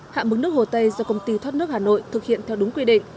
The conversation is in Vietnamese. hạ mức nước hồ tây do công ty thoát nước hà nội thực hiện theo đúng quy định